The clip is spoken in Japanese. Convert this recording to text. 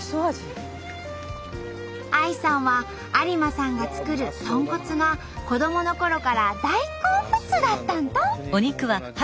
ＡＩさんは有馬さんが作る豚骨が子どものころから大好物だったんと！